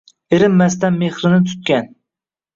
Erinmasdan mexrini tutgan